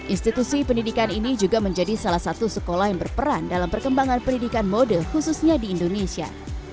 institusi pendidikan ini juga menjadi salah satu sekolah yang berperan dalam perkembangan pendidikan mode khususnya di indonesia